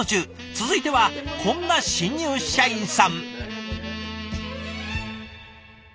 続いてはこんな新入社員さん。